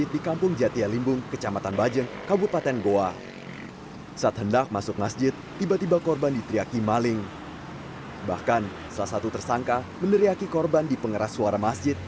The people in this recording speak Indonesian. namun tidak mendapat respon dari yds sehingga korban masuk ke dalam masjid